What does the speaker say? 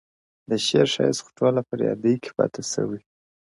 د شعر ښايست خو ټولـ فريادي كي پاتــه سـوى ـ